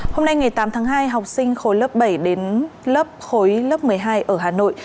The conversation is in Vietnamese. hôm nay ngày tám tháng hai học sinh khối lớp bảy đến lớp khối lớp một mươi hai ở hà nội